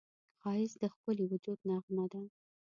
ښایست د ښکلي وجود نغمه ده